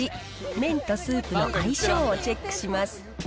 麺とスープの相性をチェックします。